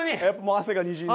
汗がにじんで。